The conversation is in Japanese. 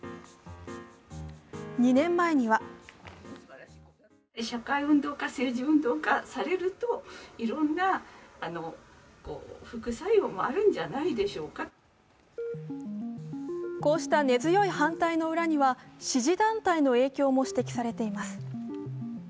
２年前にはこうした根強い反対の裏には支持団体の影響も指摘されています。